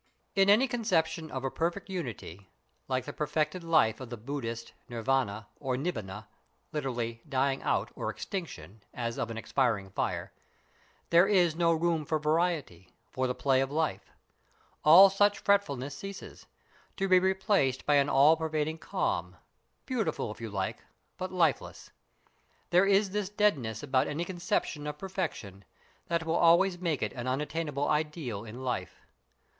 In any conception of a perfect unity, like the perfected life of the Buddhist, Nirvana or Nibbana (literally "dying out" or "extinction" as of an expiring fire), there is no room for variety, for the play of life; all such fretfulness ceases, to be replaced by an all pervading calm, beautiful, if you like, but lifeless. There is this deadness about any conception of perfection that will always make it an unattainable ideal in life.